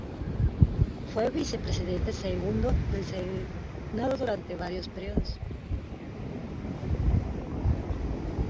Fue Vicepresidente Segundo del Senado durante varios períodos.